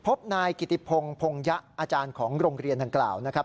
พบนายกิติพงศ์พงยะอาจารย์ของโรงเรียนดังกล่าวนะครับ